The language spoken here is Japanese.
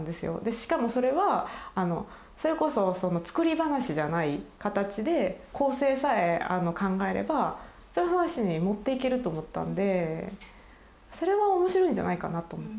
しかもそれはそれこそ作り話じゃない形で構成さえ考えればそういう話に持っていけると思ったんでそれは面白いんじゃないかなと思って。